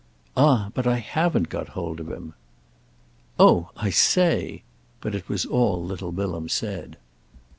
"Ah but I haven't got hold of him!" "Oh I say!" But it was all little Bilham said.